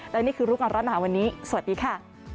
และนี่คือรู้ก่อนร้อนหนาวันนี้สวัสดีค่ะ